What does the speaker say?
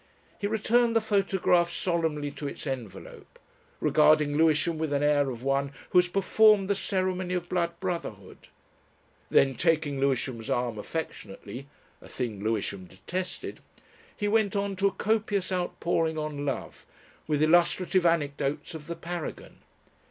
He returned the photograph solemnly to its envelope, regarding Lewisham with an air of one who has performed the ceremony of blood brotherhood. Then taking Lewisham's arm affectionately a thing Lewisham detested he went on to a copious outpouring on Love with illustrative anecdotes of the Paragon.